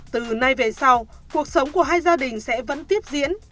từ nay về sau cuộc sống của hai gia đình sẽ vẫn như thế nào